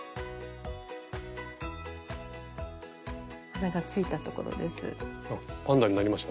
鼻がついたところです。